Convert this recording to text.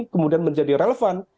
kemudian menjadi relevan